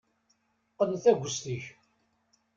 Qqen taggest-ik.